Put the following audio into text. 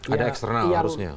ada eksternal harusnya